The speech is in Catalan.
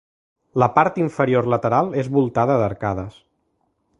La part inferior lateral és voltada d'arcades.